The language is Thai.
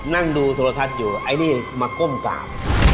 นั่งดูโทรทัศน์อยู่ไอ้นี่มาก้มกราบ